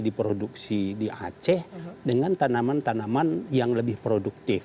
diproduksi di aceh dengan tanaman tanaman yang lebih produktif